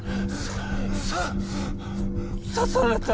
ささ刺された。